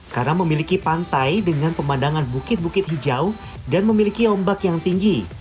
karena memiliki pantai dengan pemandangan bukit bukit hijau dan memiliki ombak yang tinggi